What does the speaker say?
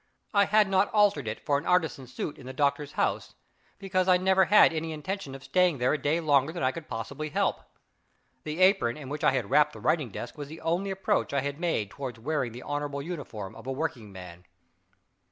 I had not altered it for an artisan's suit in the doctor's house, because I never had any intention of staying there a day longer than I could possibly help. The apron in which I had wrapped the writing desk was the only approach I had made toward wearing the honorable uniform of the workingman.